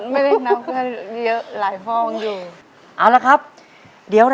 แม่งแม่ง